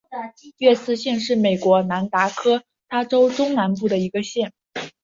琼斯县是美国南达科他州中南部的一个县。